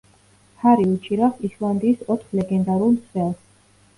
ფარი უჭირავს ისლანდიის ოთხ ლეგენდარულ მცველს.